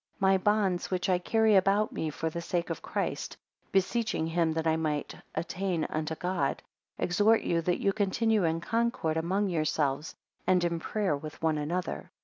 2 My bonds, which I carry about me for the sake of Christ, (beseeching him that I may attain unto God) exhort you that you continue in concord among yourselves, and in prayer with one another.